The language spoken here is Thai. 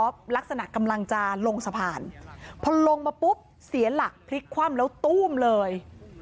ลักษณะกำลังจะลงสะพานพอลงมาปุ๊บเสียหลักพลิกคว่ำแล้วตู้มเลย